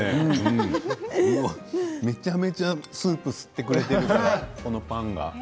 めちゃくちゃスープを吸ってくれているからこのパンが。